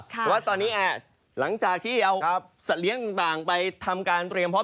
แต่ว่าตอนนี้หลังจากที่เอาสัตว์เลี้ยงต่างไปทำการเตรียมพร้อม